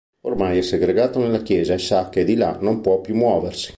Ormai è segregato nella chiesa e sa che di là non può più muoversi.